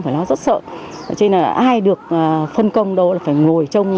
chủ động ra soát phát hiện sớm các đối tượng có nguy cơ